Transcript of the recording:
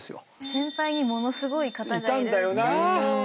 先輩にものすごい方がいるって。